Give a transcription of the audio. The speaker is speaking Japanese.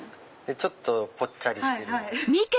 ちょっとぽっちゃりしてる。